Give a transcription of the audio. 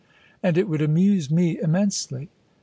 " And It would amuse me immensely."